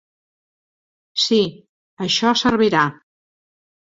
Sí, això servirà.